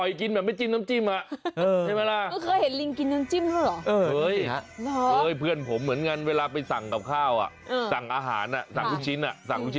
อย่าหลอกกันอย่างนี้สิ